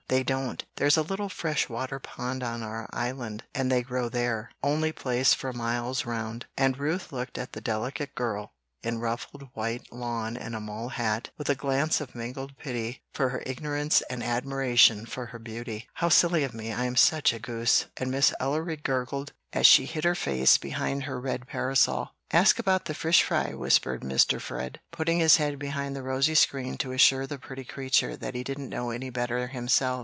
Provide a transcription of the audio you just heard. "They don't. There's a little fresh water pond on our island, and they grow there, only place for miles round;" and Ruth looked at the delicate girl in ruffled white lawn and a mull hat, with a glance of mingled pity for her ignorance and admiration for her beauty. "How silly of me! I am SUCH a goose;" and Miss Ellery gurgled as she hid her face behind her red parasol. "Ask about the fish fry," whispered Mr. Fred, putting his head behind the rosy screen to assure the pretty creature that he didn't know any better himself.